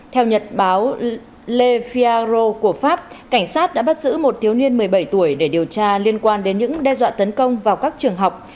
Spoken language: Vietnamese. theo nhật báo lefia ro của pháp cảnh sát đã bắt giữ một thiếu niên một mươi bảy tuổi để điều tra liên quan đến những đe dọa tấn công vào các trường học